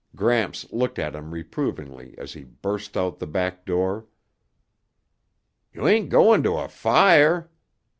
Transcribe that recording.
Gramps looked at him reprovingly as he burst out the back door. "You ain't going to a fire.